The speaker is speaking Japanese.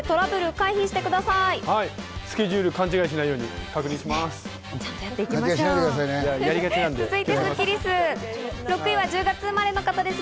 スケジュール、勘違いしないように確認します。